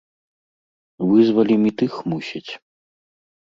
Вызвалім і тых, мусіць.